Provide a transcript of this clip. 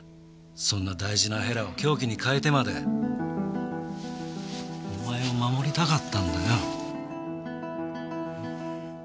そんな大事なへらを凶器に変えてまでお前を守りたかったんだよ。